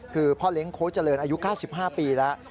คือพ่อเลี้ยงโค้ชเจริญอายุ๙๕ปีแล้ว